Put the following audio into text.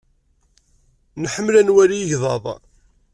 Nḥemmel ad nwali igḍaḍ.